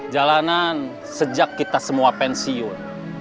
jalanan sejak kita semua pensiun